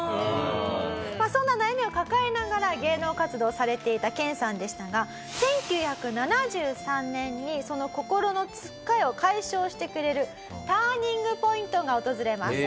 そんな悩みを抱えながら芸能活動をされていた研さんでしたが１９７３年にその心のつっかえを解消してくれるターニングポイントが訪れます。